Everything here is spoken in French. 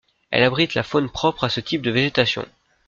Elle abrite la faune propre à ce type de végétation.